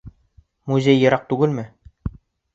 Музей йыраҡ түгелме?